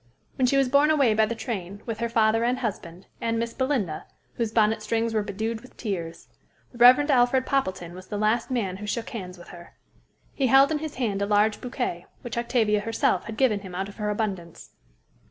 When she was borne away by the train, with her father and husband, and Miss Belinda, whose bonnet strings were bedewed with tears, the Rev. Alfred Poppleton was the last man who shook hands with her. He held in his hand a large bouquet, which Octavia herself had given him out of her abundance.